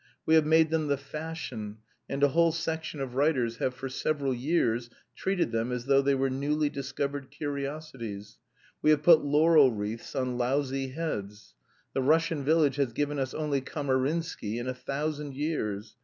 "We have made them the fashion, and a whole section of writers have for several years treated them as though they were newly discovered curiosities. We have put laurel wreaths on lousy heads. The Russian village has given us only 'Kamarinsky' in a thousand years.